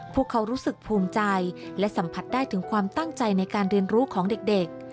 พวกเขารู้สึกภูมิใจและสัมผัสได้ถึงความตั้งใจในการเรียนรู้ของเด็ก